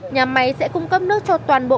nhà máy sẽ cung cấp nước cho toàn bộ